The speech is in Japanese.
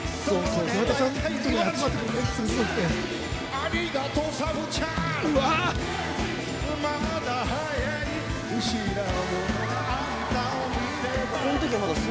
ありがとうサブちゃん！